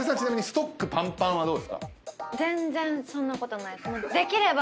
ストックパンパンはどうですか？